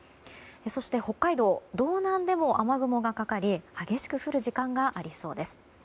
そして、北海道道南でも雨雲がかかり激しく降る時間がありそうです。